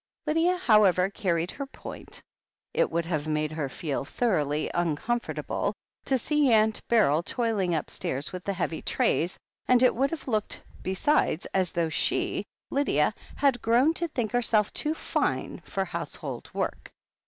\ Lydia, however, carried her point. It would have made her feel thoroughly uncomfortable to see Aunt Beryl toiling upstairs with the heavy trays, and it would have looked, besides, as though she, Lydia, had grown to think herself too "fine" for household work.